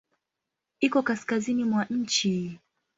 Iko kaskazini mwa nchi.